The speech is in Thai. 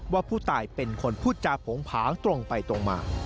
ว่าผู้ตายเป็นคนพูดจาโผงผางตรงไปตรงมา